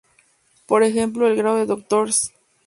Por ejemplo, el grado de doctor Sc.